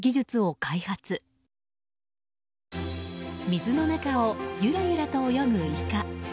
水の中をゆらゆらと泳ぐイカ。